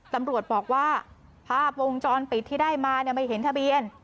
ตำรวจบอกว่าภาพวงจรปิดที่ได้มาไม่เห็นทะเบียน